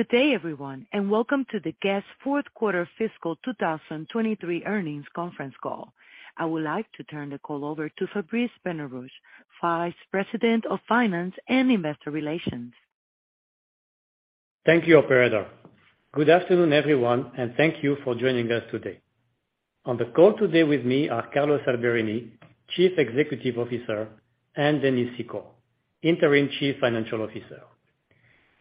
Good day everyone, welcome to the Guess? Q4 Fiscal 2023 Earnings Conference Call. I would like to turn the call over to Fabrice Benarouche, Vice President of Finance and Investor Relations. Thank you, operator. Good afternoon, everyone. Thank you for joining us today. On the call today with me are Carlos Alberini, Chief Executive Officer, and Dennis Secor, Interim Chief Financial Officer.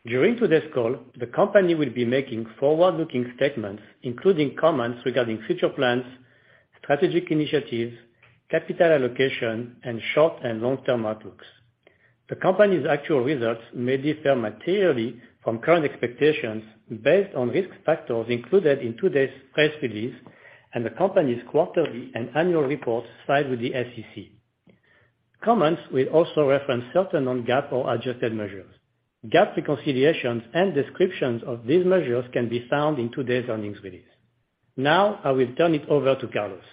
During today's call, the company will be making forward-looking statements, including comments regarding future plans, strategic initiatives, capital allocation, and short and long-term outlooks. The company's actual results may differ materially from current expectations based on risk factors included in today's press release and the company's quarterly and annual reports filed with the SEC. Comments will also reference certain non-GAAP or adjusted measures. GAAP reconciliations and descriptions of these measures can be found in today's earnings release. Now I will turn it over to Carlos.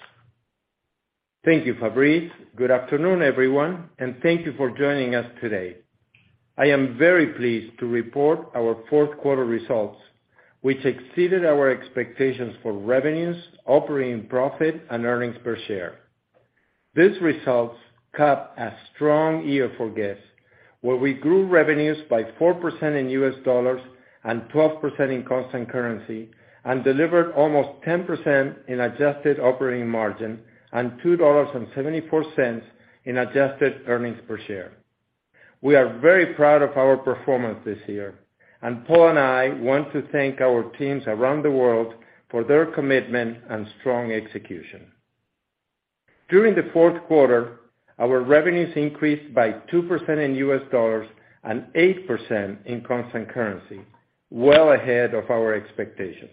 Thank you, Fabrice. Good afternoon, everyone, and thank you for joining us today. I am very pleased to report our Q4 results, which exceeded our expectations for revenues, operating profit and earnings per share. These results cap a strong year for Guess?, where we grew revenues by 4% in $ and 12% in constant currency, and delivered almost 10% in adjusted operating margin and $2.74 in adjusted earnings per share. We are very proud of our performance this year, and Paul and I want to thank our teams around the world for their commitment and strong execution. During the Q4, our revenues increased by 2% in $ and 8% in constant currency, well ahead of our expectations.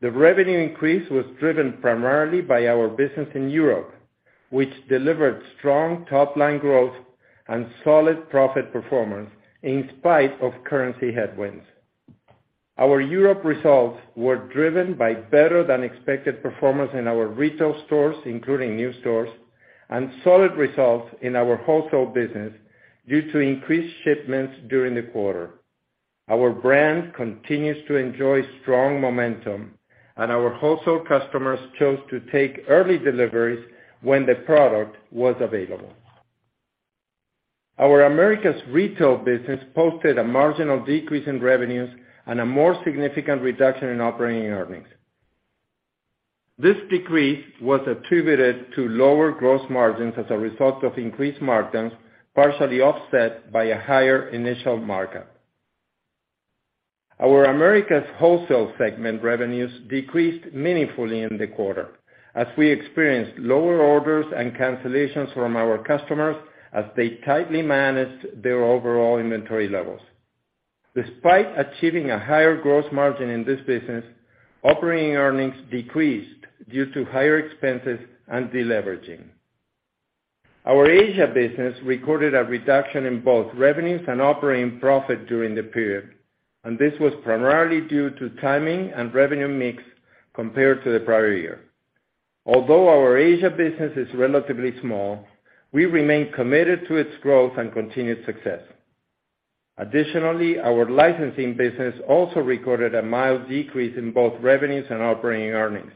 The revenue increase was driven primarily by our business in Europe, which delivered strong top-line growth and solid profit performance in spite of currency headwinds. Our Europe results were driven by better than expected performance in our retail stores, including new stores, and solid results in our wholesale business due to increased shipments during the quarter. Our brand continues to enjoy strong momentum. Our wholesale customers chose to take early deliveries when the product was available. Our Americas Retail business posted a marginal decrease in revenues and a more significant reduction in operating earnings. This decrease was attributed to lower gross margins as a result of increased markdowns, partially offset by a higher initial markup. Our Americas Wholesale segment revenues decreased meaningfully in the quarter as we experienced lower orders and cancellations from our customers as they tightly managed their overall inventory levels. Despite achieving a higher gross margin in this business, operating earnings decreased due to higher expenses and deleveraging. Our Asia business recorded a reduction in both revenues and operating profit during the period. This was primarily due to timing and revenue mix compared to the prior year. Although our Asia business is relatively small, we remain committed to its growth and continued success. Additionally, our licensing business also recorded a mild decrease in both revenues and operating earnings.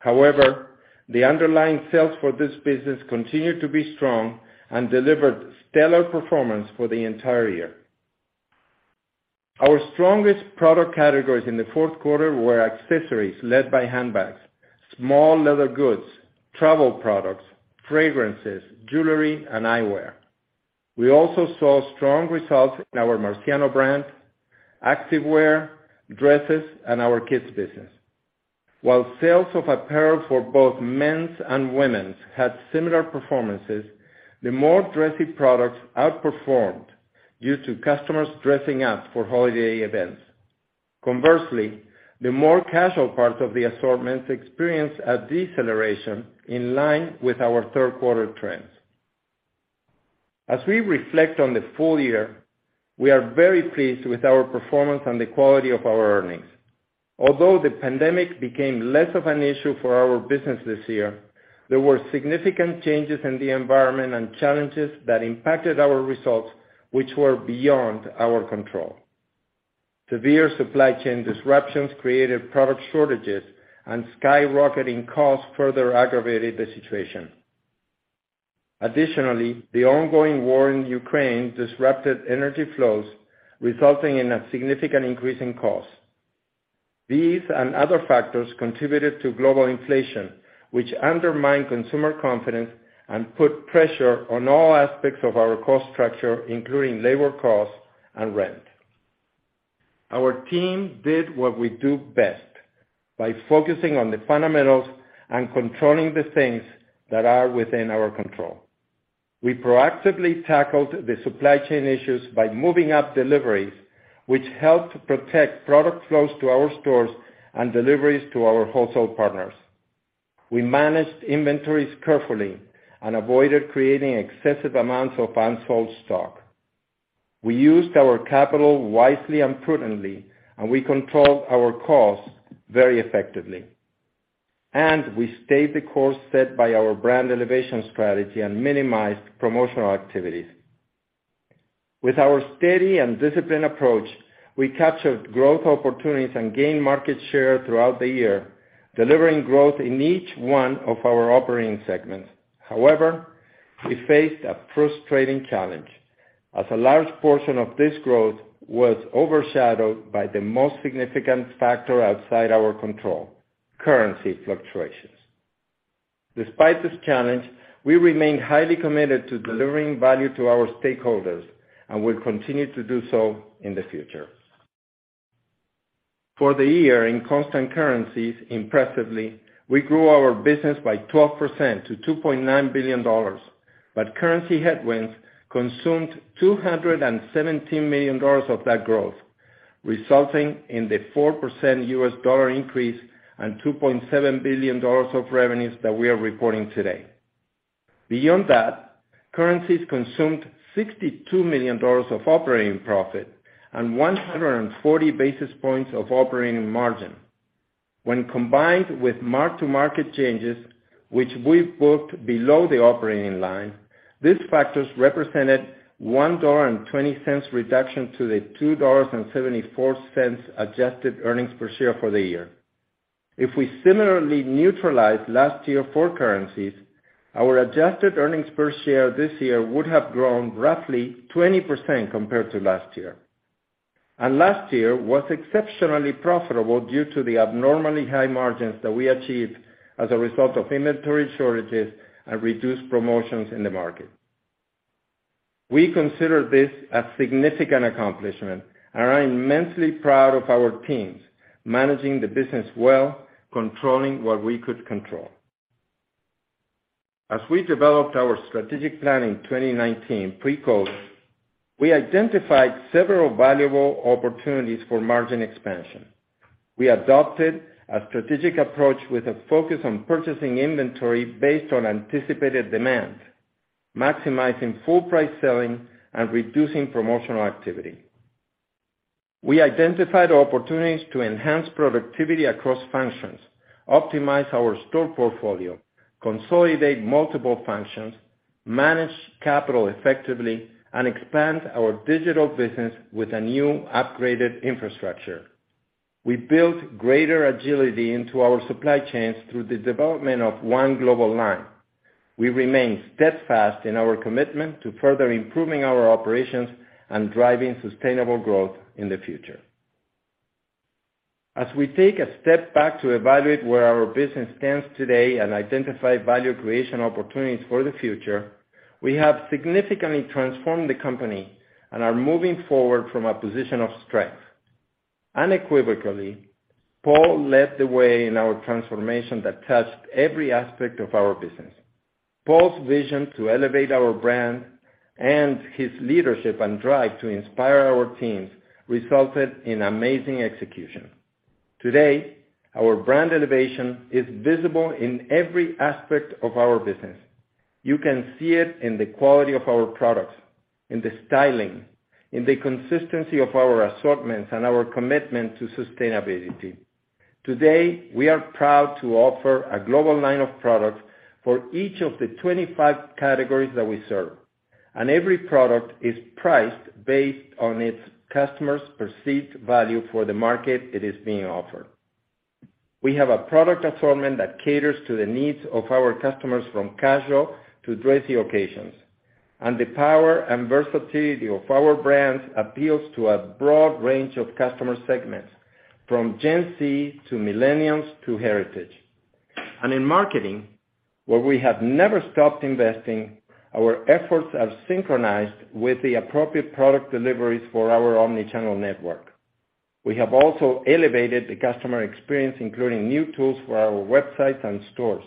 However, the underlying sales for this business continued to be strong and delivered stellar performance for the entire year. Our strongest product categories in the Q4 were accessories led by handbags, small leather goods, travel products, fragrances, jewelry and eyewear. We also saw strong results in our Marciano brand, activewear, dresses, and our kids business. While sales of apparel for both men's and women's had similar performances, the more dressy products outperformed due to customers dressing up for holiday events. Conversely, the more casual parts of the assortments experienced a deceleration in line with our Q3 trends. As we reflect on the full year, we are very pleased with our performance and the quality of our earnings. Although the pandemic became less of an issue for our business this year, there were significant changes in the environment and challenges that impacted our results, which were beyond our control. Severe supply chain disruptions created product shortages and skyrocketing costs further aggravated the situation. Additionally, the ongoing war in Ukraine disrupted energy flows, resulting in a significant increase in costs. These and other factors contributed to global inflation, which undermined consumer confidence and put pressure on all aspects of our cost structure, including labor costs and rent. Our team did what we do best by focusing on the fundamentals and controlling the things that are within our control. We proactively tackled the supply chain issues by moving up deliveries, which helped protect product flows to our stores and deliveries to our wholesale partners. We managed inventories carefully and avoided creating excessive amounts of unsold stock. We used our capital wisely and prudently. We controlled our costs very effectively. We stayed the course set by our brand elevation strategy and minimized promotional activities. With our steady and disciplined approach, we captured growth opportunities and gained market share throughout the year, delivering growth in each one of our operating segments. However, we faced a frustrating challenge as a large portion of this growth was overshadowed by the most significant factor outside our control, currency fluctuations. Despite this challenge, we remain highly committed to delivering value to our stakeholders and will continue to do so in the future. For the year, in constant currencies, impressively, we grew our business by 12% to $2.9 billion. Currency headwinds consumed $217 million of that growth, resulting in the 4% U.S. dollar increase and $2.7 billion of revenues that we are reporting today. Beyond that, currencies consumed $62 million of operating profit and 140 basis points of operating margin. When combined with mark-to-market changes, which we booked below the operating line, these factors represented $1.20 reduction to the $2.74 adjusted earnings per share for the year. If we similarly neutralized last year for currencies, our adjusted earnings per share this year would have grown roughly 20% compared to last year. Last year was exceptionally profitable due to the abnormally high margins that we achieved as a result of inventory shortages and reduced promotions in the market. We consider this a significant accomplishment, and I'm immensely proud of our teams managing the business well, controlling what we could control. As we developed our strategic plan in 2019 pre-COVID, we identified several valuable opportunities for margin expansion. We adopted a strategic approach with a focus on purchasing inventory based on anticipated demand, maximizing full price selling and reducing promotional activity. We identified opportunities to enhance productivity across functions, optimize our store portfolio, consolidate multiple functions, manage capital effectively, and expand our digital business with a new, upgraded infrastructure. We built greater agility into our supply chains through the development of One Global Line. We remain steadfast in our commitment to further improving our operations and driving sustainable growth in the future. As we take a step back to evaluate where our business stands today and identify value creation opportunities for the future, we have significantly transformed the company and are moving forward from a position of strength. Unequivocally, Paul led the way in our transformation that touched every aspect of our business. Paul's vision to elevate our brand and his leadership and drive to inspire our teams resulted in amazing execution. Today, our brand elevation is visible in every aspect of our business. You can see it in the quality of our products, in the styling, in the consistency of our assortments, and our commitment to sustainability. Today, we are proud to offer a One Global Line of products for each of the 25 categories that we serve. Every product is priced based on its customer's perceived value for the market it is being offered. We have a product assortment that caters to the needs of our customers from casual to dressy occasions. The power and versatility of our brands appeals to a broad range of customer segments, from Gen Z to millennials to heritage. In marketing, where we have never stopped investing, our efforts have synchronized with the appropriate product deliveries for our omnichannel network. We have also elevated the customer experience, including new tools for our websites and stores.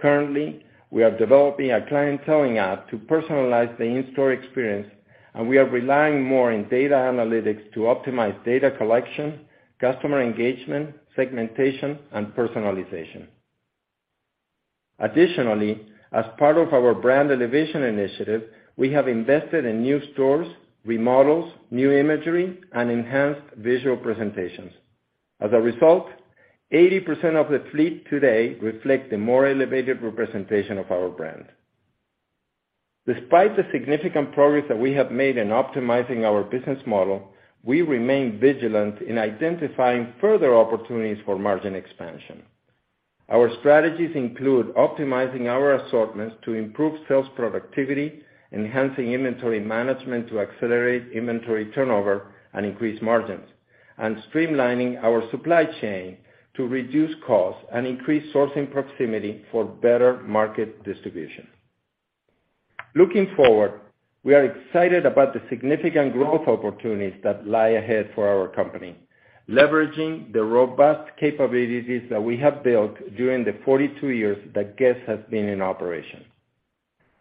Currently, we are developing a Clienteling App to personalize the in-store experience, and we are relying more on data analytics to optimize data collection, customer engagement, segmentation and personalization. Additionally, as part of our brand elevation initiative, we have invested in new stores, remodels, new imagery, and enhanced visual presentations. As a result, 80% of the fleet today reflect the more elevated representation of our brand. Despite the significant progress that we have made in optimizing our business model, we remain vigilant in identifying further opportunities for margin expansion. Our strategies include optimizing our assortments to improve sales productivity, enhancing inventory management to accelerate inventory turnover and increase margins, and streamlining our supply chain to reduce costs and increase sourcing proximity for better market distribution. Looking forward, we are excited about the significant growth opportunities that lie ahead for our company, leveraging the robust capabilities that we have built during the 42 years that Guess?? has been in operation.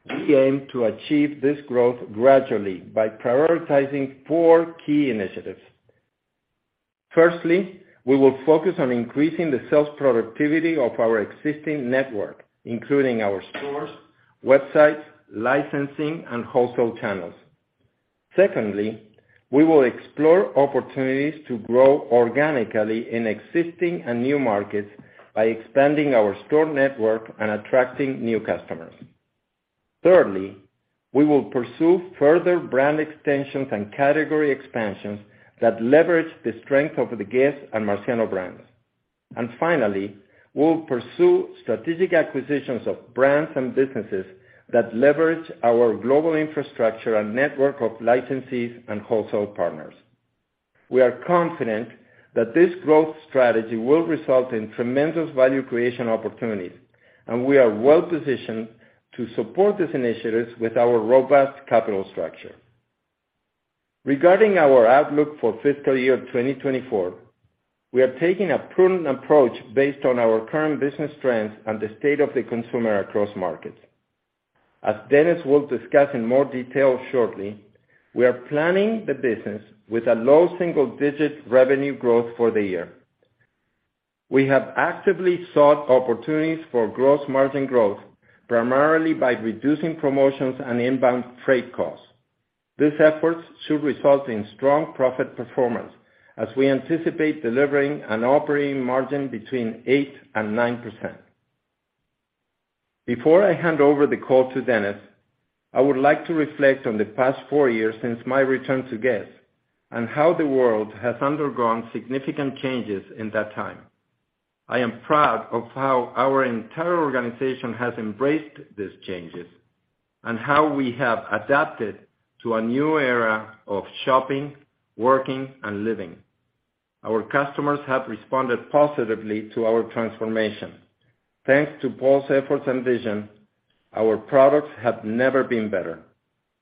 We aim to achieve this growth gradually by prioritizing four key initiatives. Firstly, we will focus on increasing the sales productivity of our existing network, including our stores, websites, licensing and wholesale channels. Secondly, we will explore opportunities to grow organically in existing and new markets by expanding our store network and attracting new customers. Thirdly, we will pursue further brand extensions and category expansions that leverage the strength of the Guess?? and Marciano brands. Finally, we'll pursue strategic acquisitions of brands and businesses that leverage our global infrastructure and network of licensees and wholesale partners. We are confident that this growth strategy will result in tremendous value creation opportunities, and we are well-positioned to support these initiatives with our robust capital structure. Regarding our outlook for fiscal year 2024, we are taking a prudent approach based on our current business trends and the state of the consumer across markets. As Dennis will discuss in more detail shortly, we are planning the business with a low single-digit revenue growth for the year. We have actively sought opportunities for gross margin growth, primarily by reducing promotions and inbound freight costs. These efforts should result in strong profit performance as we anticipate delivering an operating margin between 8% and 9%. Before I hand over the call to Dennis, I would like to reflect on the past four years since my return to Guess? and how the world has undergone significant changes in that time. I am proud of how our entire organization has embraced these changes and how we have adapted to a new era of shopping, working, and living. Our customers have responded positively to our transformation. Thanks to Paul's efforts and vision, our products have never been better.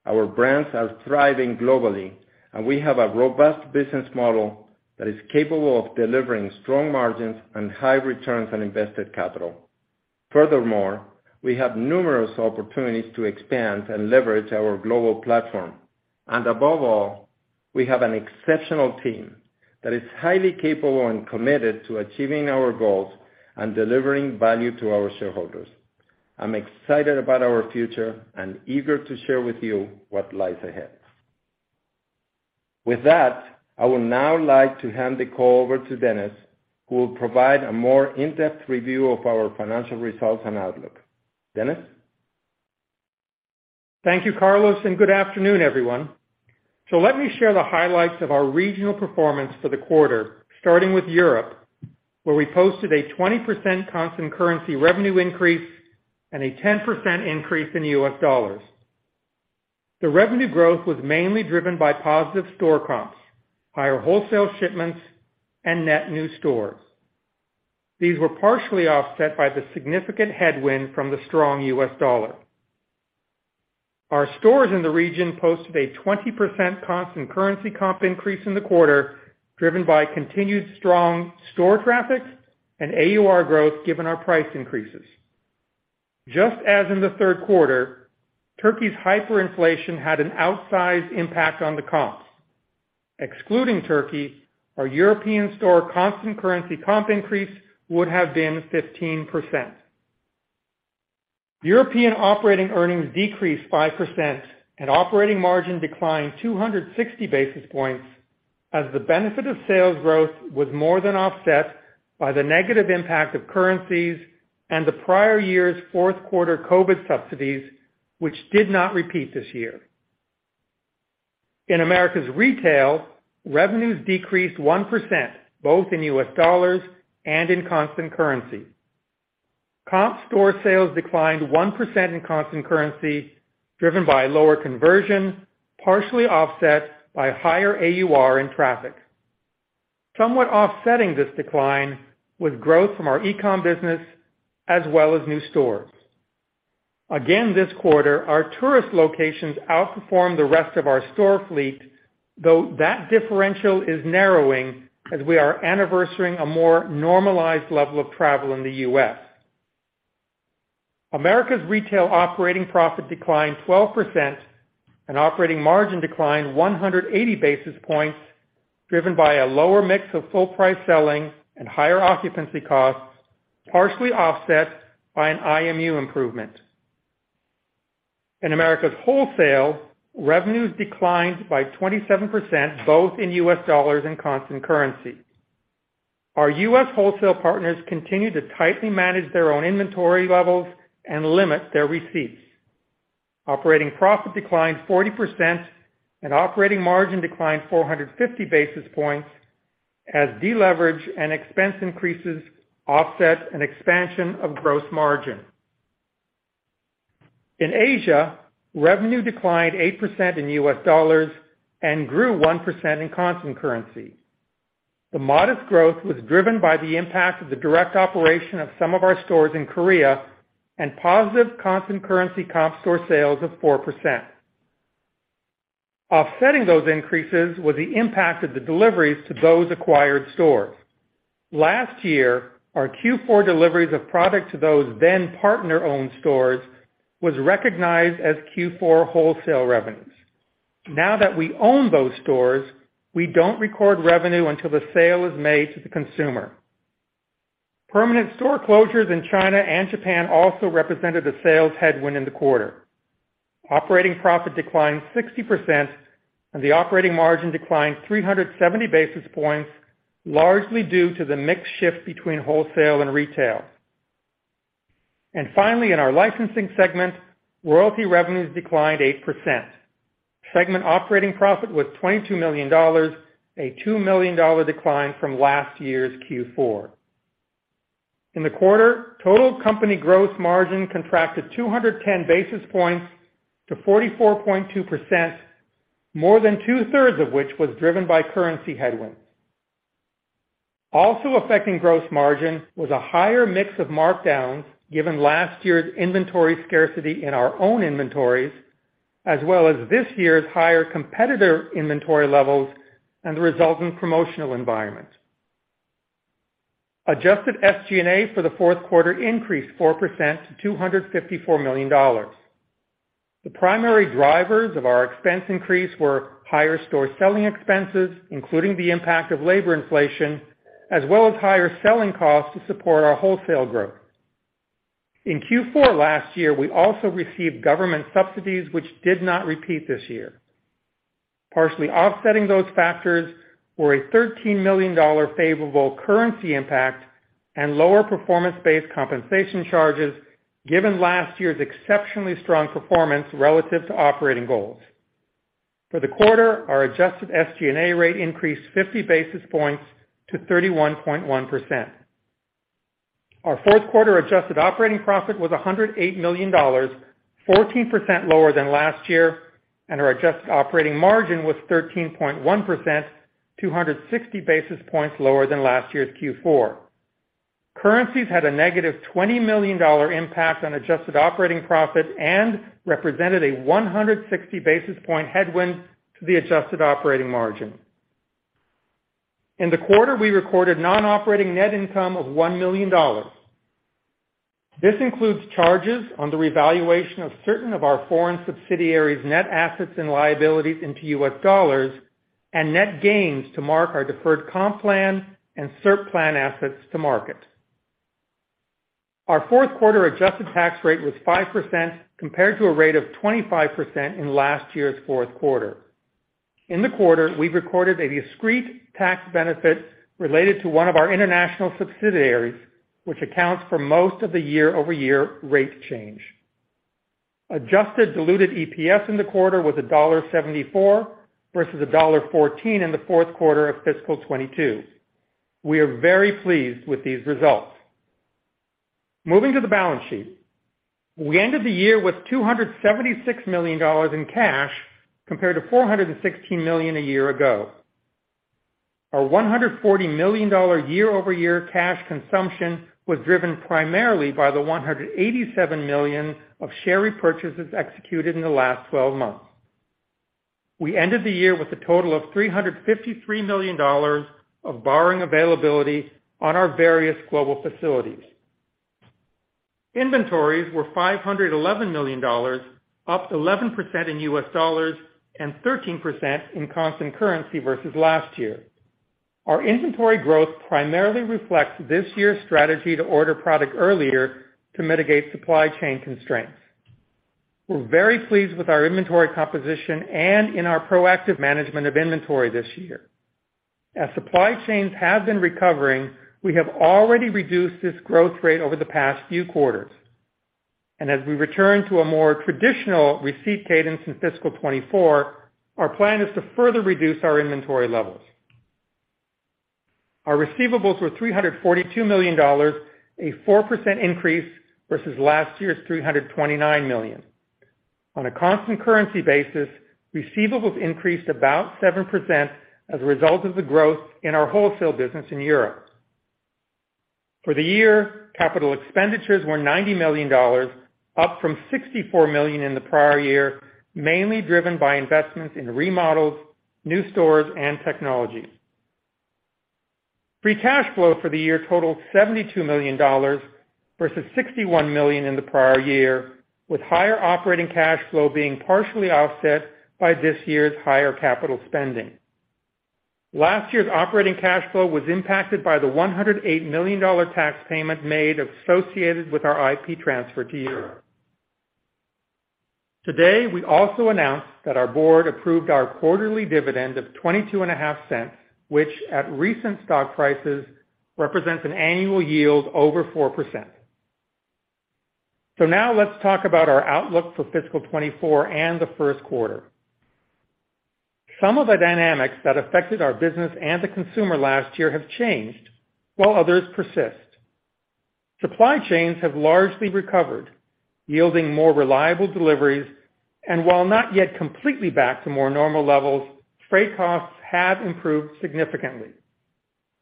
Our brands are thriving globally, and we have a robust business model that is capable of delivering strong margins and high returns on invested capital. Furthermore, we have numerous opportunities to expand and leverage our global platform. Above all, we have an exceptional team that is highly capable and committed to achieving our goals and delivering value to our shareholders. I'm excited about our future and eager to share with you what lies ahead. With that, I would now like to hand the call over to Dennis, who will provide a more in-depth review of our financial results and outlook. Dennis? Thank you, Carlos. Good afternoon, everyone. Let me share the highlights of our regional performance for the quarter, starting with Europe, where we posted a 20% constant currency revenue increase and a 10% increase in US dollars. The revenue growth was mainly driven by positive store comps, higher wholesale shipments, and net new stores. These were partially offset by the significant headwind from the strong US dollar. Our stores in the region posted a 20% constant currency comp increase in the quarter, driven by continued strong store traffic and AUR growth, given our price increases. Just as in the Q3, Turkey's hyperinflation had an outsized impact on the comps. Excluding Turkey, our European store constant currency comp increase would have been 15%. European operating earnings decreased 5%, operating margin declined 260 basis points as the benefit of sales growth was more than offset by the negative impact of currencies and the prior year's Q4 COVID subsidies, which did not repeat this year. In Americas Retail, revenues decreased 1%, both in US dollars and in constant currency. Comp store sales declined 1% in constant currency, driven by lower conversion, partially offset by higher AUR and traffic. Somewhat offsetting this decline was growth from our e-com business, as well as new stores. Again this quarter, our tourist locations outperformed the rest of our store fleet, though that differential is narrowing as we are anniversarying a more normalized level of travel in the U.S.. Americas Retail operating profit declined 12%, and operating margin declined 180 basis points, driven by a lower mix of full-price selling and higher occupancy costs, partially offset by an IMU improvement. In Americas Wholesale, revenues declined by 27%, both in $ and constant currency. Our U.S. wholesale partners continued to tightly manage their own inventory levels and limit their receipts. Operating profit declined 40%, and operating margin declined 450 basis points as deleverage and expense increases offset an expansion of gross margin. In Asia, revenue declined 8% in $ and grew 1% in constant currency. The modest growth was driven by the impact of the direct operation of some of our stores in Korea and positive constant currency comp store sales of 4%. Offsetting those increases was the impact of the deliveries to those acquired stores. Last year, our Q4 deliveries of product to those then partner-owned stores was recognized as Q4 wholesale revenues. Now that we own those stores, we don't record revenue until the sale is made to the consumer. Permanent store closures in China and Japan also represented a sales headwind in the quarter. Operating profit declined 60% and the operating margin declined 370 basis points, largely due to the mix shift between wholesale and retail. Finally, in our licensing segment, royalty revenues declined 8%. Segment operating profit was $22 million, a $2 million decline from last year's Q4. In the quarter, total company gross margin contracted 210 basis points to 44.2%, more than 2/3 of which was driven by currency headwinds. Also affecting gross margin was a higher mix of markdowns, given last year's inventory scarcity in our own inventories, as well as this year's higher competitor inventory levels and the resulting promotional environment. Adjusted SG&A for the Q4 increased 4% to $254 million. The primary drivers of our expense increase were higher store selling expenses, including the impact of labor inflation, as well as higher selling costs to support our wholesale growth. In Q4 last year, we also received government subsidies, which did not repeat this year. Partially offsetting those factors were a $13 million favorable currency impact and lower performance-based compensation charges given last year's exceptionally strong performance relative to operating goals. For the quarter, our adjusted SG&A rate increased 50 basis points to 31.1%. Our Q4 adjusted operating profit was $108 million, 14% lower than last year. Our adjusted operating margin was 13.1%, 260 basis points lower than last year's Q4. Currencies had a negative $20 million impact on adjusted operating profit and represented a 160 basis point headwind to the adjusted operating margin. In the quarter, we recorded non-operating net income of $1 million. This includes charges on the revaluation of certain of our foreign subsidiaries' net assets and liabilities into U.S. dollars and net gains to mark our deferred comp plan and SERP plan assets to market. Our Q4 adjusted tax rate was 5% compared to a rate of 25% in last year's Q4. In the quarter, we recorded a discrete tax benefit related to one of our international subsidiaries, which accounts for most of the year-over-year rate change. Adjusted diluted EPS in the quarter was $1.74 versus $1.14 in the Q4 of fiscal 2022. We are very pleased with these results. Moving to the balance sheet. We ended the year with $276 million in cash compared to $416 million a year ago. Our $140 million year-over-year cash consumption was driven primarily by the $187 million of share repurchases executed in the last 12 months. We ended the year with a total of $353 million of borrowing availability on our various global facilities. Inventories were $511 million, up 11% in US dollars and 13% in constant currency versus last year. Our inventory growth primarily reflects this year's strategy to order product earlier to mitigate supply chain constraints. We're very pleased with our inventory composition and in our proactive management of inventory this year. As supply chains have been recovering, we have already reduced this growth rate over the past few quarters. As we return to a more traditional receipt cadence in fiscal 2024, our plan is to further reduce our inventory levels. Our receivables were $342 million, a 4% increase versus last year's $329 million. On a constant currency basis, receivables increased about 7% as a result of the growth in our wholesale business in Europe. For the year, capital expenditures were $90 million, up from $64 million in the prior year, mainly driven by investments in remodels, new stores, and technologies. Free cash flow for the year totaled $72 million versus $61 million in the prior year, with higher operating cash flow being partially offset by this year's higher capital spending. Last year's operating cash flow was impacted by the $108 million tax payment made associated with our IP transfer to Europe. Today, we also announced that our board approved our quarterly dividend of $0.225, which at recent stock prices represents an annual yield over 4%. Now let's talk about our outlook for fiscal 2024 and the Q1. Some of the dynamics that affected our business and the consumer last year have changed, while others persist. Supply chains have largely recovered, yielding more reliable deliveries, and while not yet completely back to more normal levels, freight costs have improved significantly.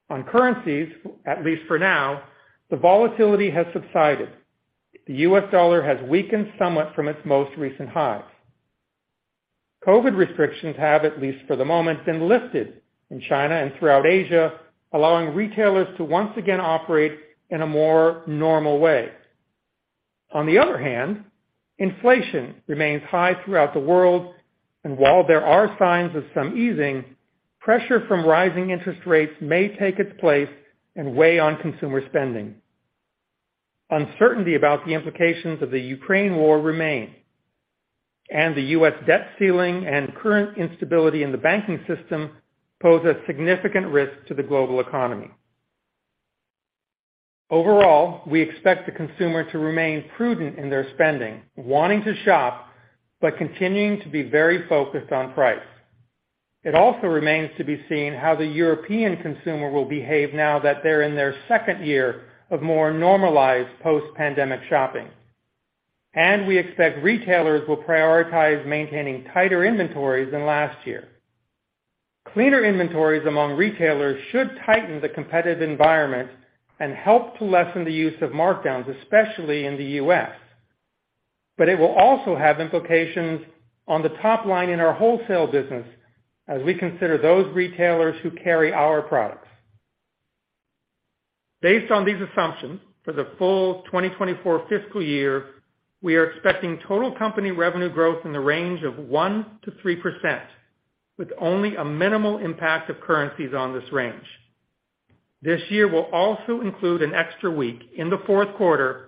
On currencies, at least for now, the volatility has subsided. The U.S. dollar has weakened somewhat from its most recent highs. COVID restrictions have, at least for the moment, been lifted in China and throughout Asia, allowing retailers to once again operate in a more normal way. On the other hand, inflation remains high throughout the world, and while there are signs of some easing, pressure from rising interest rates may take its place and weigh on consumer spending. Uncertainty about the implications of the Ukraine war remain, and the U.S. debt ceiling and current instability in the banking system pose a significant risk to the global economy. Overall, we expect the consumer to remain prudent in their spending, wanting to shop but continuing to be very focused on price. It also remains to be seen how the European consumer will behave now that they're in their second year of more normalized post-pandemic shopping. We expect retailers will prioritize maintaining tighter inventories than last year. Cleaner inventories among retailers should tighten the competitive environment and help to lessen the use of markdowns, especially in the U.S. It will also have implications on the top line in our wholesale business as we consider those retailers who carry our products. Based on these assumptions, for the full 2024 fiscal year, we are expecting total company revenue growth in the range of 1%-3%, with only a minimal impact of currencies on this range. This year will also include an extra week in the Q4.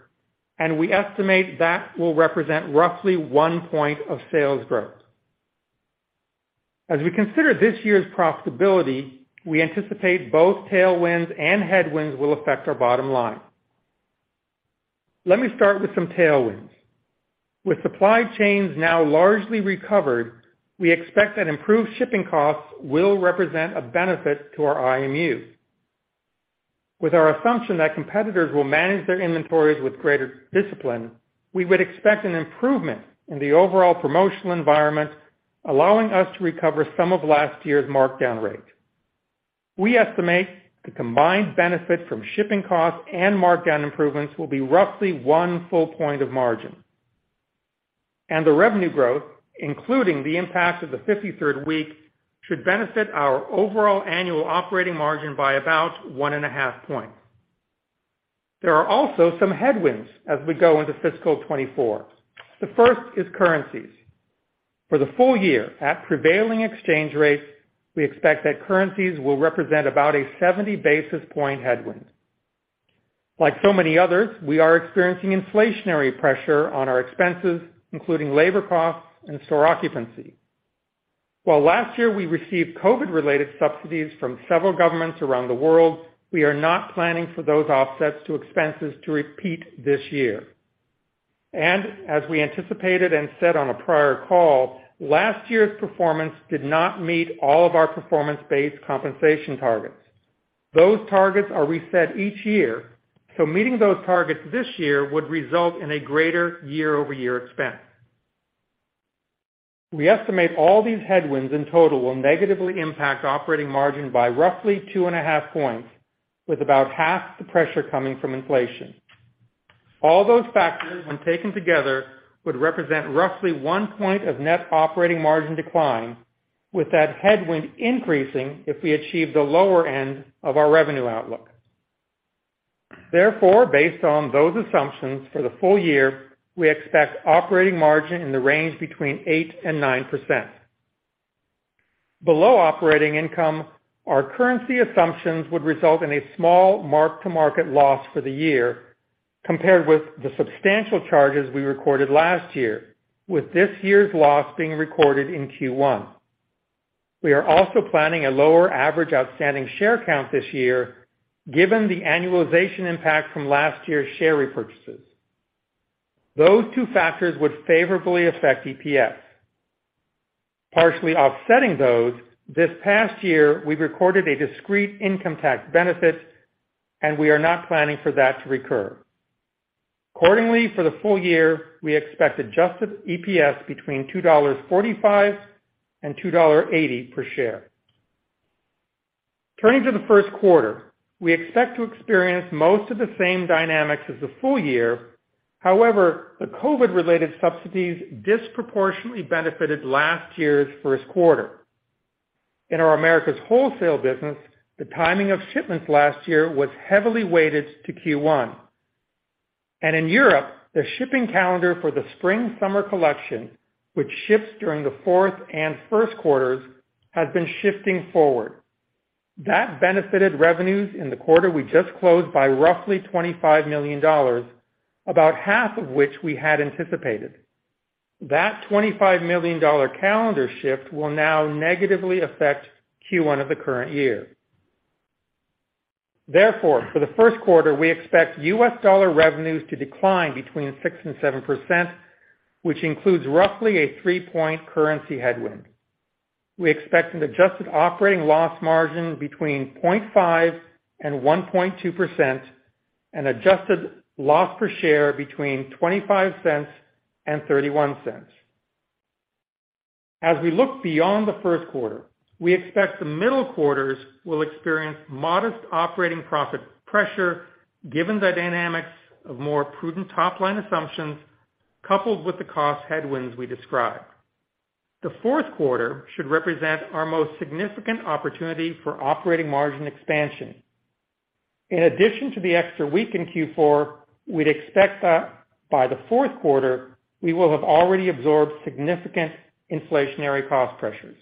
We estimate that will represent roughly one point of sales growth. As we consider this year's profitability, we anticipate both tailwinds and headwinds will affect our bottom line. Let me start with some tailwinds. With supply chains now largely recovered, we expect that improved shipping costs will represent a benefit to our IMU. With our assumption that competitors will manage their inventories with greater discipline, we would expect an improvement in the overall promotional environment, allowing us to recover some of last year's markdown rate. We estimate the combined benefit from shipping costs and markdown improvements will be roughly one full point of margin. The revenue growth, including the impact of the 53rd week, should benefit our overall annual operating margin by about 1.5 point. There are also some headwinds as we go into fiscal 2024. The first is currencies. For the full year at prevailing exchange rates, we expect that currencies will represent about a 70 basis point headwind. Like so many others, we are experiencing inflationary pressure on our expenses, including labor costs and store occupancy. While last year we received COVID-related subsidies from several governments around the world, we are not planning for those offsets to expenses to repeat this year. As we anticipated and said on a prior call, last year's performance did not meet all of our performance-based compensation targets. Those targets are reset each year, so meeting those targets this year would result in a greater year-over-year expense. We estimate all these headwinds in total will negatively impact operating margin by roughly 2.5 points, with about half the pressure coming from inflation. All those factors, when taken together, would represent roughly one point of net operating margin decline, with that headwind increasing if we achieve the lower end of our revenue outlook. Based on those assumptions for the full year, we expect operating margin in the range between 8% and 9%. Below operating income, our currency assumptions would result in a small mark-to-market loss for the year compared with the substantial charges we recorded last year, with this year's loss being recorded in Q1. We are also planning a lower average outstanding share count this year given the annualization impact from last year's share repurchases. Those two factors would favorably affect EPS. Partially offsetting those, this past year, we recorded a discrete income tax benefit, and we are not planning for that to recur. Accordingly, for the full year, we expect adjusted EPS between $2.45 and $2.80 per share. Turning to the Q1. We expect to experience most of the same dynamics as the full year. However, the COVID-related subsidies disproportionately benefited last year's Q1. In our Americas Wholesale business, the timing of shipments last year was heavily weighted to Q1. In Europe, the shipping calendar for the spring/summer collection, which ships during the fourth and Q1s, has been shifting forward. That benefited revenues in the quarter we just closed by roughly $25 million, about half of which we had anticipated. That $25 million calendar shift will now negatively affect Q1 of the current year. Therefore, for the Q1, we expect US dollar revenues to decline between 6% and 7%, which includes roughly a three point currency headwind. We expect an adjusted operating loss margin between 0.5% and 1.2% and adjusted loss per share between $0.25 and $0.31. As we look beyond the Q1, we expect the middle quarters will experience modest operating profit pressure given the dynamics of more prudent top-line assumptions coupled with the cost headwinds we described. The Q4 should represent our most significant opportunity for operating margin expansion. In addition to the extra week in Q4, we'd expect that by the Q4, we will have already absorbed significant inflationary cost pressures.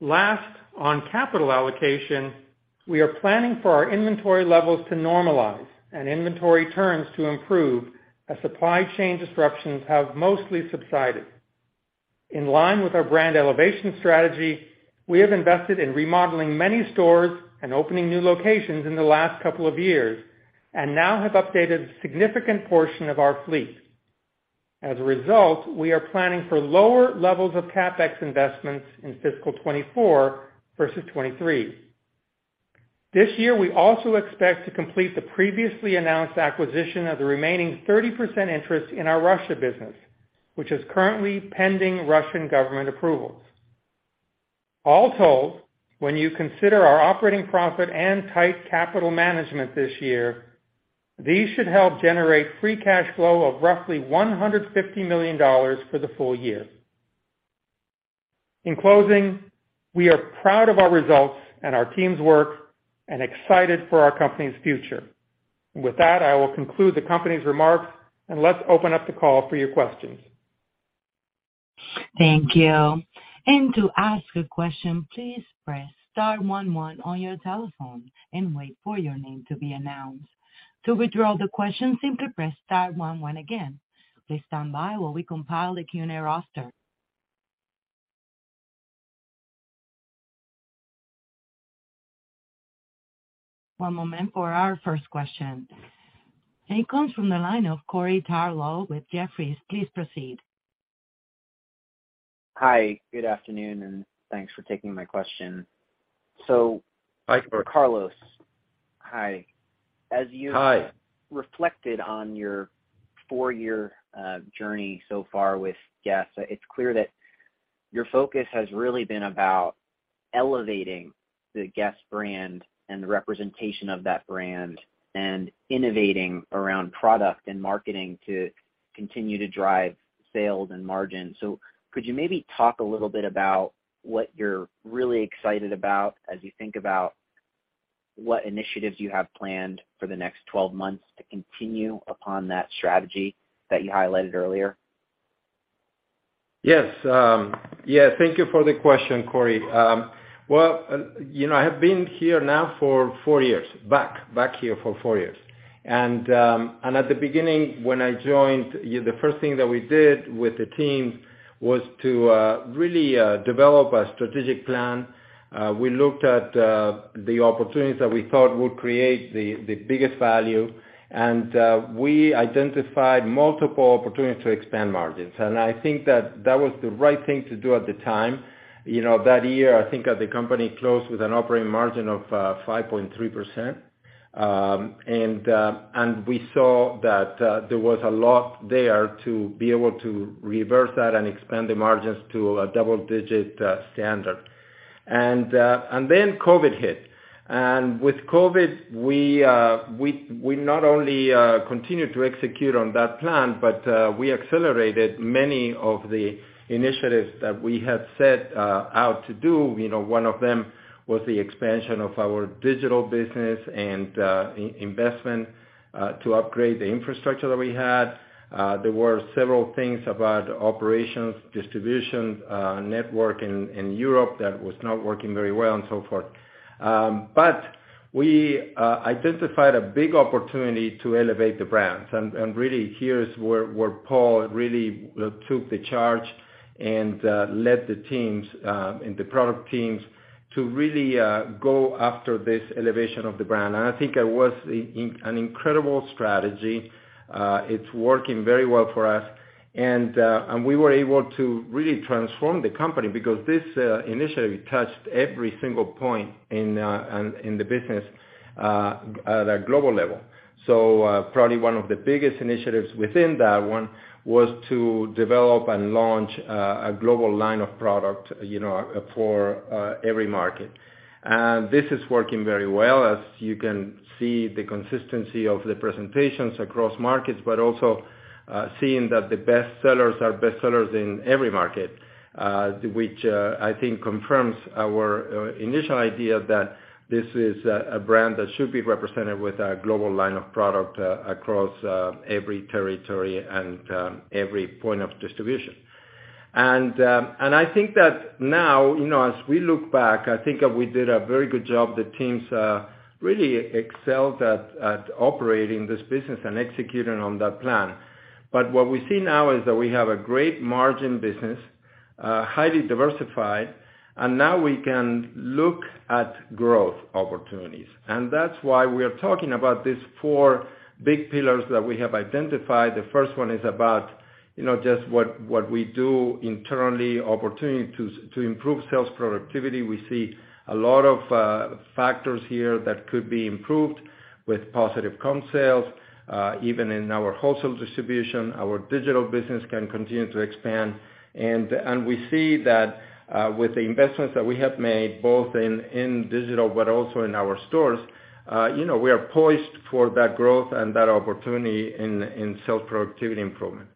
Last, on capital allocation, we are planning for our inventory levels to normalize and inventory turns to improve as supply chain disruptions have mostly subsided. In line with our brand elevation strategy, we have invested in remodeling many stores and opening new locations in the last couple of years. Now have updated a significant portion of our fleet. As a result, we are planning for lower levels of CapEx investments in fiscal 2024 versus 2023. This year, we also expect to complete the previously announced acquisition of the remaining 30% interest in our Russia business, which is currently pending Russian government approvals. All told, when you consider our operating profit and tight capital management this year, these should help generate free cash flow of roughly $150 million for the full year. In closing, we are proud of our results and our team's work, and excited for our company's future. With that, I will conclude the company's remarks. Let's open up the call for your questions. Thank you. To ask a question, please press star one one on your telephone and wait for your name to be announced. To withdraw the question, simply press star one one again. Please stand by while we compile a Q&A roster. One moment for our first question. It comes from the line of Corey Tarlowe with Jefferies. Please proceed. Hi, good afternoon, and thanks for taking my question. Hi, Corey. Carlos. Hi. Hi. As you reflected on your four year journey so far with Guess?, it's clear that your focus has really been about elevating the Guess? brand and the representation of that brand and innovating around product and marketing to continue to drive sales and margin. Could you maybe talk a little bit about what you're really excited about as you think about what initiatives you have planned for the next 12 months to continue upon that strategy that you highlighted earlier? Yes. Yeah, thank you for the question, Corey. Well, you know, I have been here now for four years, back here for four years. At the beginning, when I joined you, the first thing that we did with the team was to really develop a strategic plan. We looked at the opportunities that we thought would create the biggest value, and we identified multiple opportunities to expand margins. I think that that was the right thing to do at the time. You know, that year, I think that the company closed with an operating margin of 5.3%. We saw that there was a lot there to be able to reverse that and expand the margins to a double-digit standard. Then COVID hit. With COVID, we not only continued to execute on that plan, but we accelerated many of the initiatives that we had set out to do. You know, one of them was the expansion of our digital business and in-investment to upgrade the infrastructure that we had. There were several things about operations, distribution, network in Europe that was not working very well and so forth. We identified a big opportunity to elevate the brands. Really here is where Paul really took the charge and led the teams and the product teams to really go after this elevation of the brand. I think it was an incredible strategy. It's working very well for us. We were able to really transform the company because this initiative touched every single point in in the business at a global level. Probably one of the biggest initiatives within that one was to develop and launch a global line of product, you know, for every market. This is working very well as you can see the consistency of the presentations across markets, but also seeing that the best sellers are best sellers in every market, which I think confirms our initial idea that this is a brand that should be represented with a global line of product across every territory and every point of distribution. I think that now, you know, as we look back, I think we did a very good job. The teams really excelled at operating this business and executing on that plan. What we see now is that we have a great margin business, highly diversified, and now we can look at growth opportunities. That's why we are talking about these four big pillars that we have identified. The first one is about, you know, just what we do internally, opportunity to improve sales productivity. We see a lot of factors here that could be improved with positive comp sales, even in our wholesale distribution. Our digital business can continue to expand. We see that with the investments that we have made, both in digital but also in our stores, you know, we are poised for that growth and that opportunity in sales productivity improvement.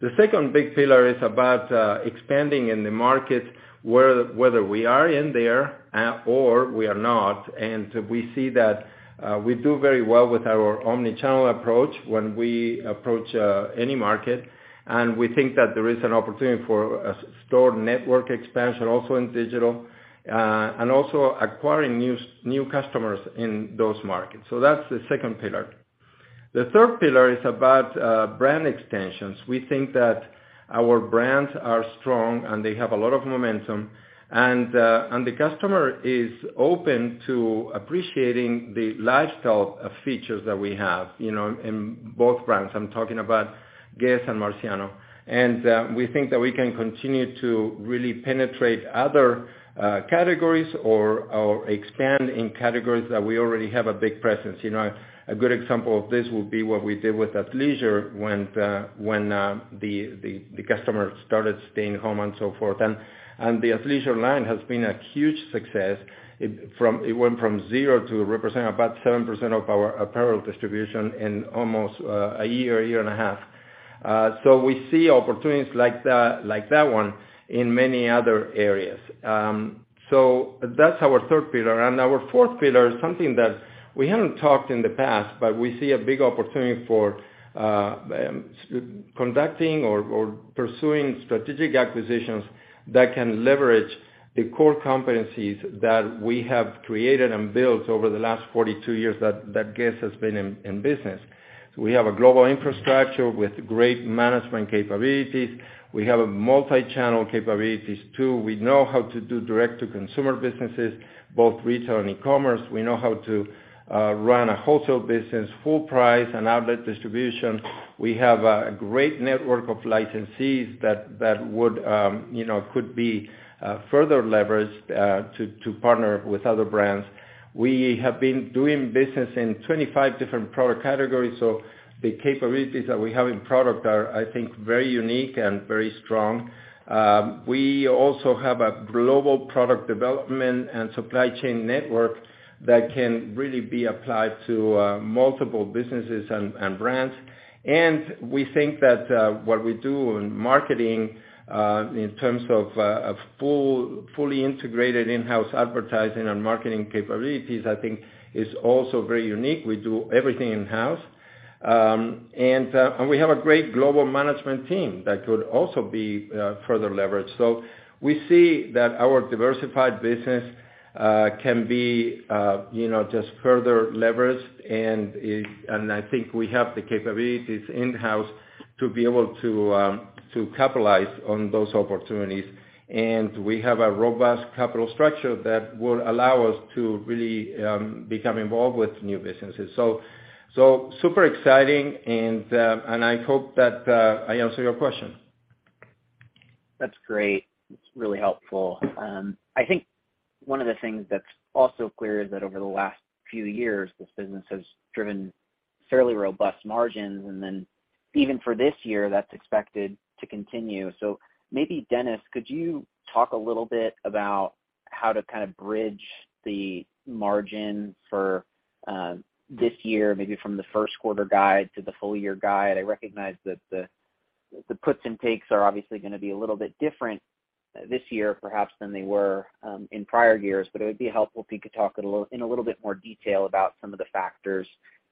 The second big pillar is about expanding in the market, whether we are in there or we are not. We see that we do very well with our omni-channel approach when we approach any market. We think that there is an opportunity for a stored network expansion also in digital and also acquiring new customers in those markets. That's the second pillar. The third pillar is about brand extensions. We think that our brands are strong and they have a lot of momentum, and the customer is open to appreciating the lifestyle features that we have, you know, in both brands. I'm talking about Guess? and Marciano. We think that we can continue to really penetrate other categories or expand in categories that we already have a big presence. You know, a good example of this would be what we did with athleisure when the customer started staying home and so forth. The athleisure line has been a huge success. It went from zero to representing about 7% of our apparel distribution in almost a year, a year and a half. We see opportunities like that, like that one in many other areas. That's our third pillar. Our fourth pillar is something that we haven't talked in the past, but we see a big opportunity for conducting or pursuing strategic acquisitions that can leverage the core competencies that we have created and built over the last 42 years that Guess? has been in business. We have a global infrastructure with great management capabilities. We have a multi-channel capabilities too. We know how to do direct-to-consumer businesses, both retail and e-commerce. We know how to run a wholesale business, full price and outlet distribution. We have a great network of licensees that would, you know, could be further leveraged to partner with other brands. We have been doing business in 25 different product categories, so the capabilities that we have in product are, I think, very unique and very strong. We also have a global product development and supply chain network that can really be applied to multiple businesses and brands. We think that what we do in marketing, in terms of a fully integrated in-house advertising and marketing capabilities, I think is also very unique. We do everything in-house. We have a great global management team that could also be further leveraged. We see that our diversified business can be, you know, just further leveraged and I think we have the capabilities in-house to be able to capitalize on those opportunities. We have a robust capital structure that will allow us to really become involved with new businesses. Super exciting and I hope that I answered your question. That's great. It's really helpful. I think one of the things that's also clear is that over the last few years, this business has driven fairly robust margins, and then even for this year, that's expected to continue. Maybe Dennis, could you talk a little bit about how to kind of bridge the margin for this year, maybe from the Q1 guide to the full-year guide? I recognize that the puts and takes are obviously gonna be a little bit different this year, perhaps than they were in prior years. It would be helpful if you could talk in a little bit more detail about some of the factors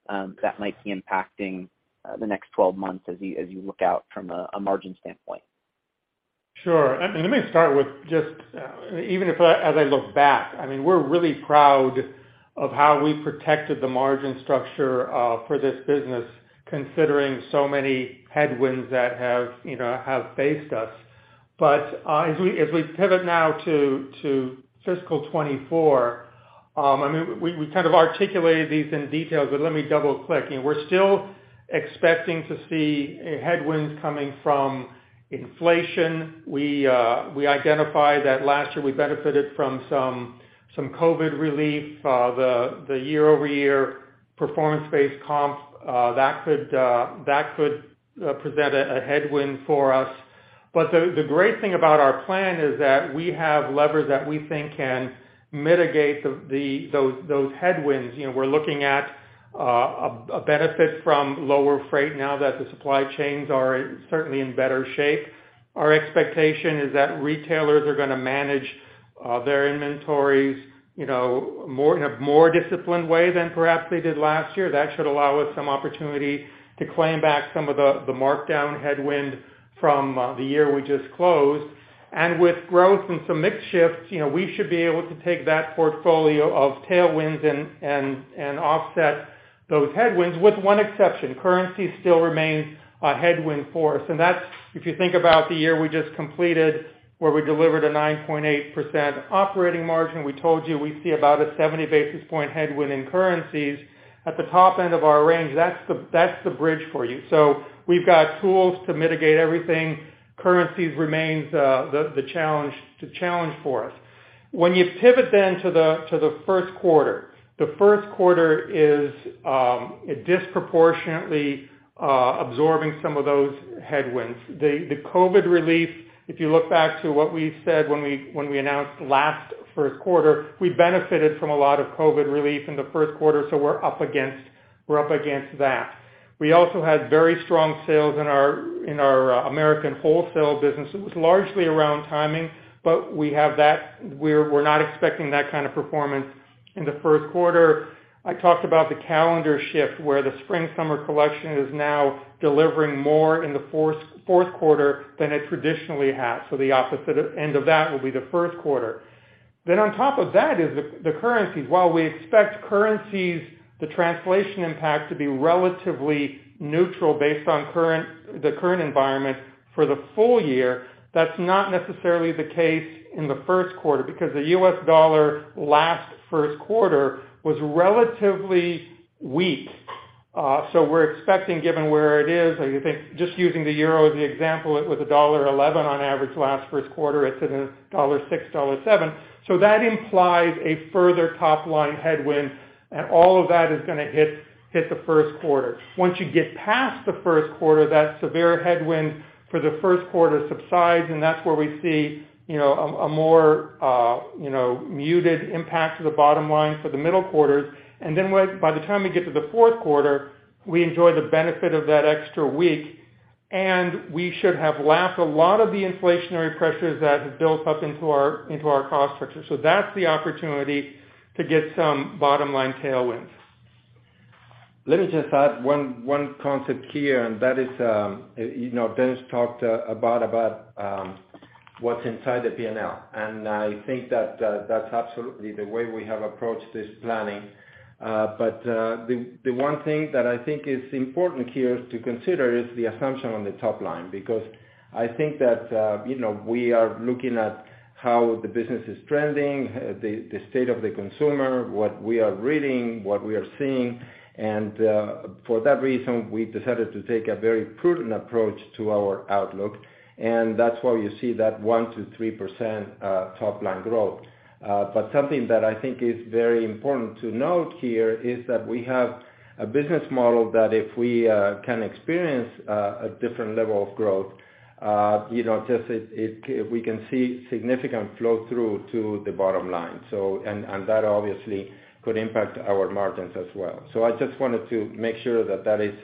that might be impacting the next 12 months as you, as you look out from a margin standpoint. Sure. Let me start with just, even as I look back, I mean, we're really proud of how we protected the margin structure for this business, considering so many headwinds that have, you know, have faced us. As we, as we pivot now to fiscal 2024, I mean, we kind of articulated these in detail, but let me double-click. You know, we're still expecting to see headwinds coming from inflation. We identified that last year we benefited from some COVID relief, the year-over-year performance-based comps that could present a headwind for us. The great thing about our plan is that we have levers that we think can mitigate the those headwinds. You know, we're looking at a benefit from lower freight now that the supply chains are certainly in better shape. Our expectation is that retailers are gonna manage their inventories, you know, in a more disciplined way than perhaps they did last year. That should allow us some opportunity to claim back some of the markdown headwind from the year we just closed. With growth and some mix shifts, you know, we should be able to take that portfolio of tailwinds and offset those headwinds with one exception. Currency still remains a headwind for us, and that's if you think about the year we just completed, where we delivered a 9.8% operating margin. We told you we see about a 70 basis point headwind in currencies at the top end of our range. That's the bridge for you. We've got tools to mitigate everything. Currencies remains the challenge for us. You pivot then to the Q1, the Q1 is disproportionately absorbing some of those headwinds. The COVID relief, if you look back to what we said when we announced last Q1, we benefited from a lot of COVID relief in the Q1, we're up against that. We also had very strong sales in our Americas Wholesale business. It was largely around timing, we have that. We're not expecting that kind of performance in the Q1. I talked about the calendar shift, where the spring/summer collection is now delivering more in the Q4 than it traditionally has. The opposite end of that will be the Q1. On top of that is the currencies. While we expect currencies, the translation impact to be relatively neutral based on current, the current environment for the full year, that's not necessarily the case in the Q1 because the US dollar last Q1 was relatively weak. We're expecting, given where it is, I think just using the euro as the example, it was $1.11 on average last Q1. It's in $1.06, $1.07. That implies a further top line headwind, and all of that is gonna hit the Q1. Once you get past the Q1, that severe headwind for the Q1 subsides, and that's where we see, you know, a more, you know, muted impact to the bottom line for the middle quarters. by the time we get to the Q4, we enjoy the benefit of that extra week, and we should have lapped a lot of the inflationary pressures that have built up into our cost structure. That's the opportunity to get some bottom-line tailwinds. Let me just add one concept here, and that is, you know, Dennis talked about what's inside the P&L. I think that's absolutely the way we have approached this planning. The one thing that I think is important here to consider is the assumption on the top line. I think that, you know, we are looking at how the business is trending, the state of the consumer, what we are reading, what we are seeing, for that reason, we decided to take a very prudent approach to our outlook, and that's why you see that 1%-3% top-line growth. But something that I think is very important to note here is that we have a business model that if we can experience a different level of growth, you know, just we can see significant flow-through to the bottom line. That obviously could impact our margins as well. I just wanted to make sure that that is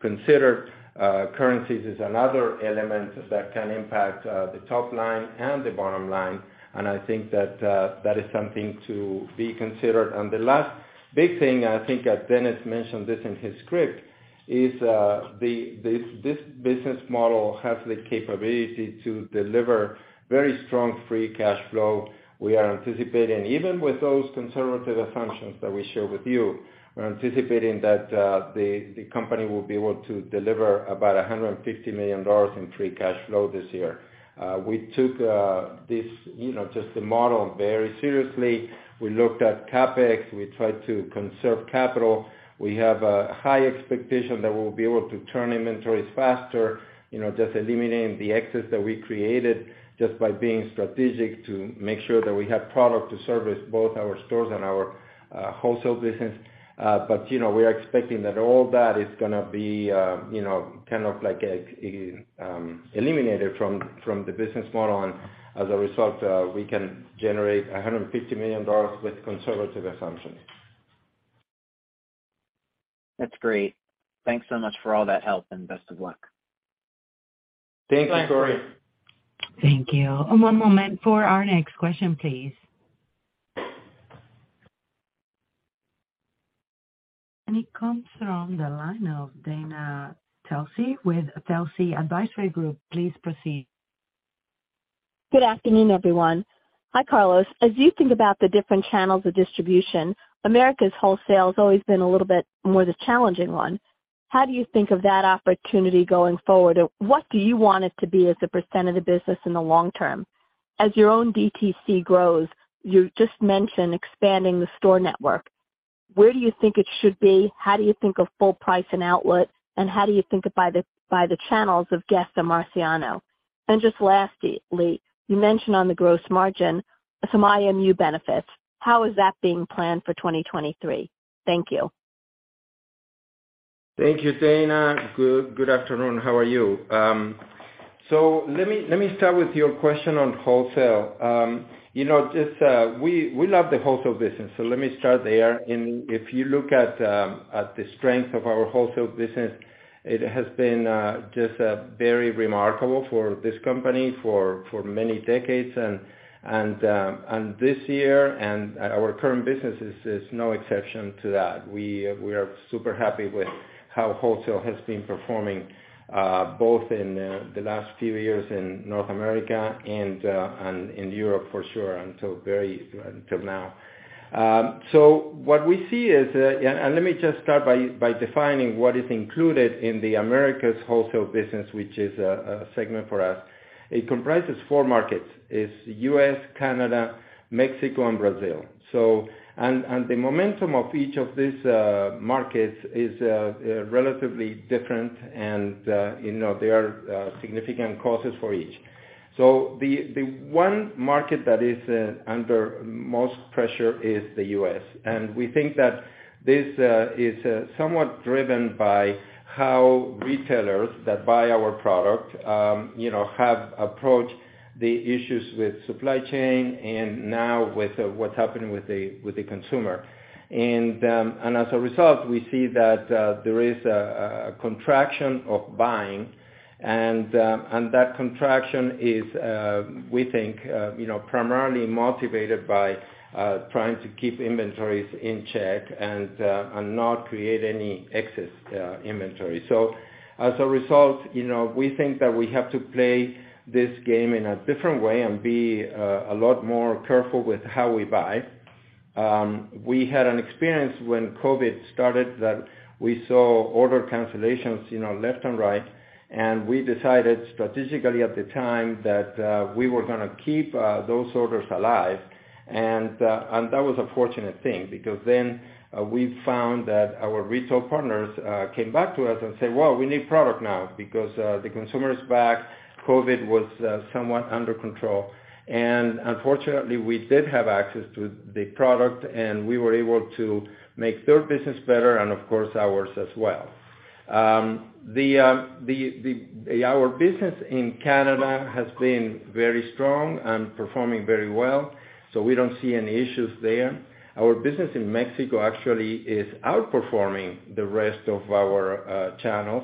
considered. Currencies is another element that can impact the top line and the bottom line, and I think that that is something to be considered. The last big thing, I think, Dennis mentioned this in his script, is this business model has the capability to deliver very strong free cash flow. We are anticipating, even with those conservative assumptions that we share with you, we're anticipating that the company will be able to deliver about $150 million in free cash flow this year. We took this, you know, just the model very seriously. We looked at CapEx. We tried to conserve capital. We have a high expectation that we'll be able to turn inventories faster, you know, just eliminating the excess that we created just by being strategic to make sure that we have product to service both our stores and our wholesale business. You know, we are expecting that all that is gonna be, you know, kind of like eliminated from the business model. As a result, we can generate $150 million with conservative assumptions. That's great. Thanks so much for all that help and best of luck. Thank you, Corey. Thanks. Thank you. One moment for our next question, please. It comes from the line of Dana Telsey with Telsey Advisory Group. Please proceed. Good afternoon, everyone. Hi, Carlos. As you think about the different channels of distribution, Americas Wholesale has always been a little bit more the challenging one. How do you think of that opportunity going forward? What do you want it to be as a percent of the business in the long term? As your own DTC grows, you just mentioned expanding the store network. Where do you think it should be? How do you think of full price and outlet? How do you think of by the channels of Guess? and Marciano? Just lastly, you mentioned on the gross margin some IMU benefits. How is that being planned for 2023? Thank you. Thank you, Dana. Good afternoon. How are you? Let me start with your question on wholesale. You know, just, we love the wholesale business, so let me start there. If you look at the strength of our wholesale business, it has been just very remarkable for this company for many decades. This year, our current business is no exception to that. We are super happy with how wholesale has been performing both in the last few years in North America and in Europe for sure until very, until now. What we see is let me just start by defining what is included in the Americas Wholesale business, which is a segment for us. It comprises four markets, is U.S., Canada, Mexico, and Brazil. The momentum of each of these markets is relatively different, and, you know, there are significant causes for each. The one market that is under most pressure is the U.S. We think that this is somewhat driven by how retailers that buy our product, you know, have approached the issues with supply chain and now with what's happening with the consumer. As a result, we see that there is a contraction of buying. That contraction is, we think, you know, primarily motivated by trying to keep inventories in check and not create any excess inventory. As a result, you know, we think that we have to play this game in a different way and be a lot more careful with how we buy. We had an experience when COVID started that we saw order cancellations, you know, left and right, and we decided strategically at the time that we were gonna keep those orders alive. And that was a fortunate thing because then we found that our retail partners came back to us and said, "Well, we need product now because the consumer is back." COVID was somewhat under control. Unfortunately, we did have access to the product, and we were able to make their business better and, of course, ours as well. Our business in Canada has been very strong and performing very well. We don't see any issues there. Our business in Mexico actually is outperforming the rest of our channels,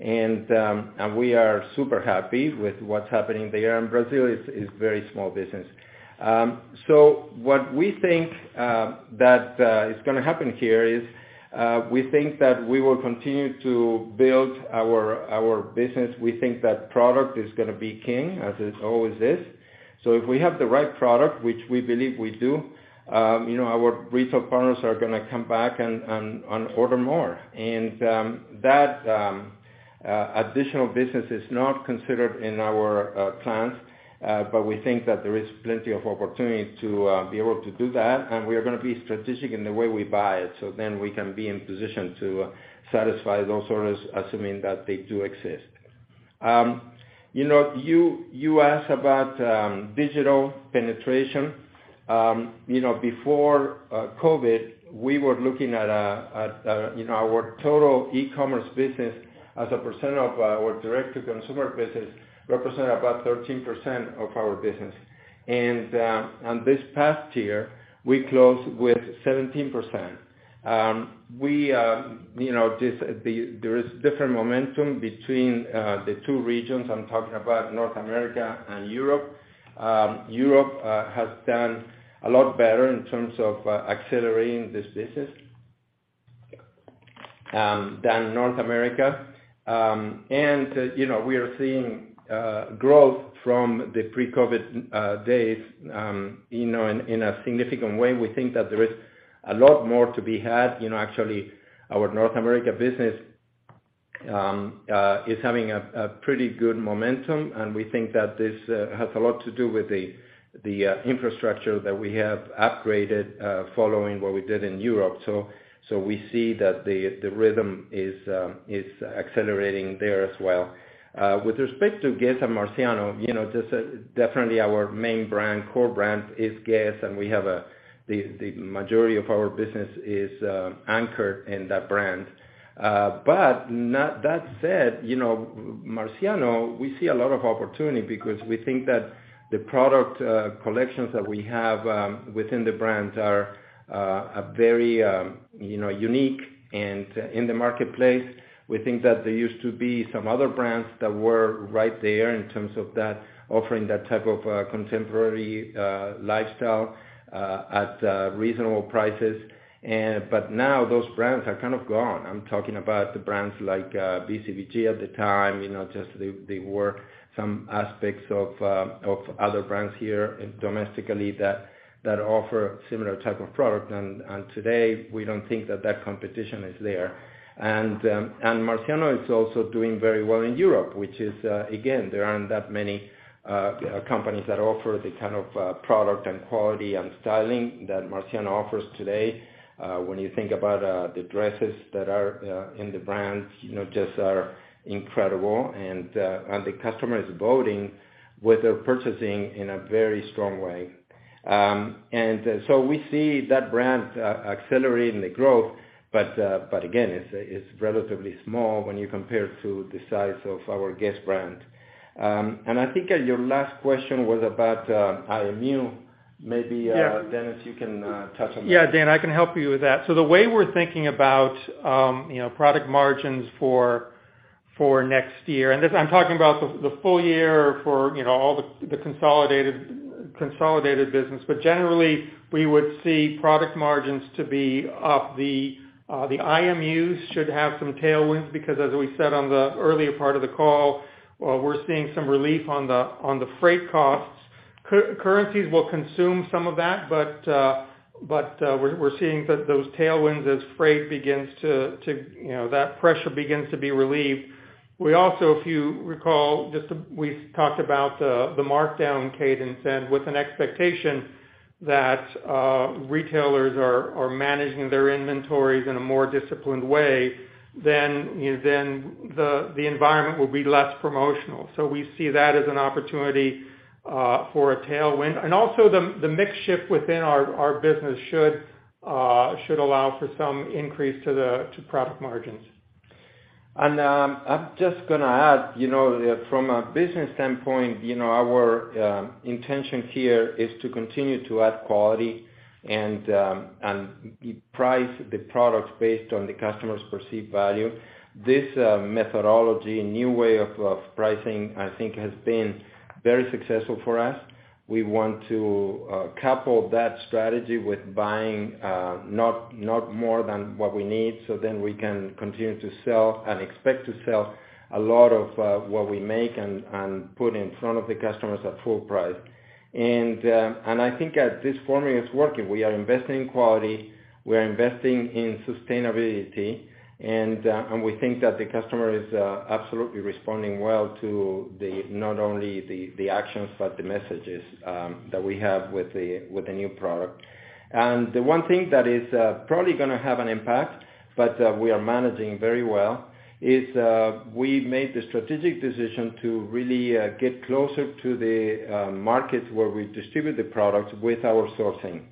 and we are super happy with what's happening there, and Brazil is very small business. What we think that is gonna happen here is we think that we will continue to build our business. We think that product is gonna be king as it always is. If we have the right product, which we believe we do, you know, our retail partners are gonna come back and order more. That additional business is not considered in our plans, but we think that there is plenty of opportunity to be able to do that, and we are gonna be strategic in the way we buy it, so then we can be in position to satisfy those orders, assuming that they do exist. You know, you asked about digital penetration. You know, before COVID, we were looking at a, you know, our total e-commerce business as a percent of our direct-to-consumer business represented about 13% of our business. On this past year, we closed with 17%. We, you know, there is different momentum between the two regions. I'm talking about North America and Europe. Europe has done a lot better in terms of accelerating this business than North America. You know, we are seeing growth from the pre-COVID days, you know, in a significant way. We think that there is a lot more to be had. You know, actually, our North America business is having a pretty good momentum, and we think that this has a lot to do with the infrastructure that we have upgraded following what we did in Europe. We see that the rhythm is accelerating there as well. With respect to Guess? and Marciano, you know, just definitely our main brand, core brand is Guess?, and we have the majority of our business is anchored in that brand. That said, you know, Marciano, we see a lot of opportunity because we think that the product collections that we have within the brands are very, you know, unique and in the marketplace. We think that there used to be some other brands that were right there in terms of that, offering that type of contemporary lifestyle at reasonable prices. Now those brands are kind of gone. I'm talking about the brands like BCBG at the time, you know, just they were some aspects of other brands here domestically that offer similar type of product. Today, we don't think that that competition is there. Marciano is also doing very well in Europe, which is again, there aren't that many companies that offer the kind of product and quality and styling that Marciano offers today. When you think about the dresses that are in the brands, you know, just are incredible. The customer is voting with their purchasing in a very strong way. We see that brand accelerating the growth, but again, it's relatively small when you compare to the size of our Guess? brand. I think your last question was about IMU. Maybe Dennis, you can touch on that. Yeah, Dan, I can help you with that. The way we're thinking about, you know, product margins for next year, and this, I'm talking about the full year for, you know, all the consolidated business. Generally, we would see product margins to be up. The IMUs should have some tailwinds because as we said on the earlier part of the call, we're seeing some relief on the freight costs. Currencies will consume some of that, but we're seeing those tailwinds as freight begins to, you know, that pressure begins to be relieved. We also, if you recall, we talked about the markdown cadence and with an expectation that retailers are managing their inventories in a more disciplined way, then, you know, then the environment will be less promotional. We see that as an opportunity for a tailwind. Also, the mix shift within our business should allow for some increase to the product margins. I'm just gonna add, you know, from a business standpoint, you know, our intention here is to continue to add quality and price the products based on the customer's perceived value. This methodology, new way of pricing, I think has been very successful for us. We want to couple that strategy with buying not more than what we need, so then we can continue to sell and expect to sell a lot of what we make and put in front of the customers at full price. I think this formula is working. We are investing in quality, we are investing in sustainability, and we think that the customer is absolutely responding well to the, not only the actions, but the messages that we have with the new product. The one thing that is probably gonna have an impact, but we are managing very well, is we've made the strategic decision to really get closer to the market where we distribute the products with our sourcing.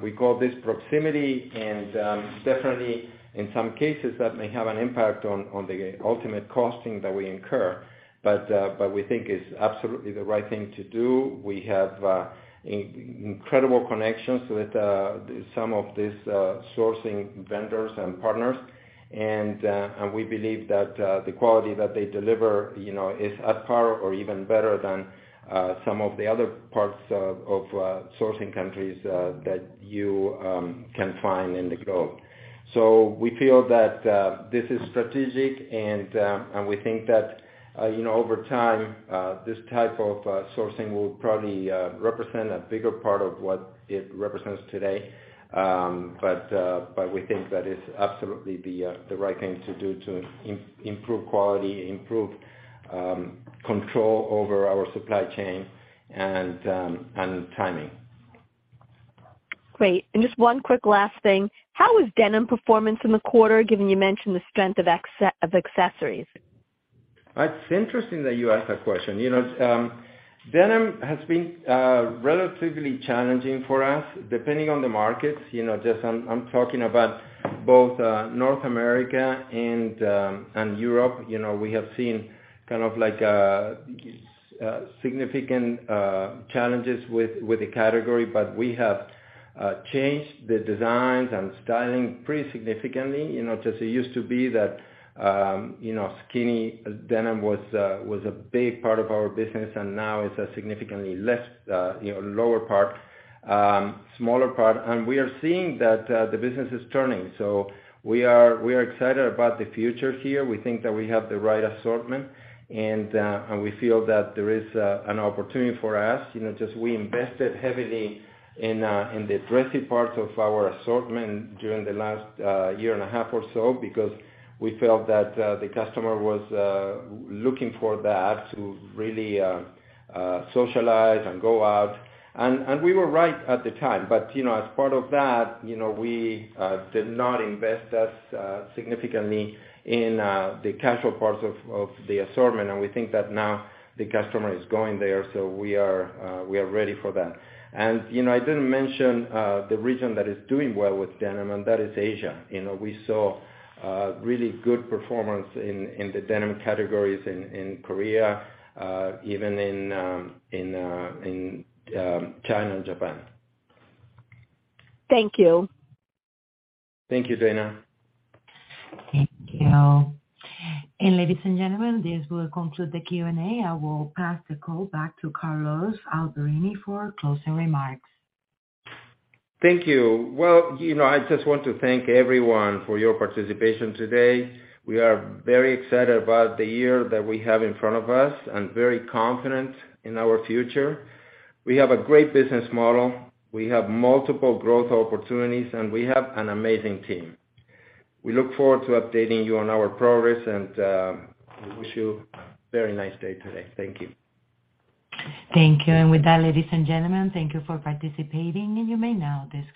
We call this proximity. Definitely in some cases that may have an impact on the ultimate costing that we incur, but we think it's absolutely the right thing to do. We have incredible connections with some of these sourcing vendors and partners. We believe that the quality that they deliver, you know, is at par or even better than some of the other parts of sourcing countries that you can find in the globe. We feel that this is strategic and we think that, you know, over time, this type of sourcing will probably represent a bigger part of what it represents today. We think that it's absolutely the right thing to do to improve quality, improve control over our supply chain and timing. Great. Just one quick last thing. How was denim performance in the quarter, given you mentioned the strength of accessories? It's interesting that you ask that question. You know, denim has been relatively challenging for us, depending on the markets. You know, just I'm talking about both North America and Europe. You know, we have seen kind of like significant challenges with the category. We have changed the designs and styling pretty significantly. You know, just it used to be that, you know, skinny denim was a big part of our business, and now it's a significantly less, you know, lower part, smaller part. We are seeing that the business is turning. We are excited about the future here. We think that we have the right assortment, and we feel that there is an opportunity for us. You know, just we invested heavily in the dressy parts of our assortment during the last year and a half or so because we felt that the customer was looking for that to really socialize and go out. We were right at the time. You know, as part of that, you know, we did not invest as significantly in the casual parts of the assortment, and we think that now the customer is going there, so we are ready for that. You know, I didn't mention the region that is doing well with denim, and that is Asia. You know, we saw really good performance in the denim categories in Korea, even in China and Japan. Thank you. Thank you, Dana. Thank you. Ladies and gentlemen, this will conclude the Q&A. I will pass the call back to Carlos Alberini for closing remarks. Thank you. Well, you know, I just want to thank everyone for your participation today. We are very excited about the year that we have in front of us, and very confident in our future. We have a great business model, we have multiple growth opportunities, and we have an amazing team. We look forward to updating you on our progress. We wish you a very nice day today. Thank you. Thank you. With that, ladies and gentlemen, thank you for participating and you may now disconnect.